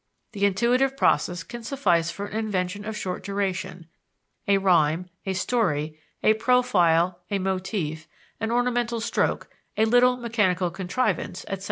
The intuitive process can suffice for an invention of short duration: a rhyme, a story, a profile, a motif, an ornamental stroke, a little mechanical contrivance, etc.